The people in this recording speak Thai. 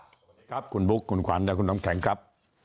สวัสดีครับคุณบุ๊คคุณขวัญและคุณน้ำแข็งครับ